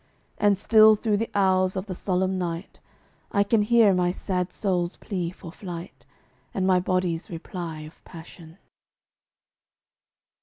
And still through the hours of the solemn night I can hear my sad soul's plea for flight, And my body's reply of passion.